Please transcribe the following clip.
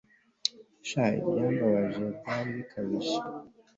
sha ibyambaje byari bikabije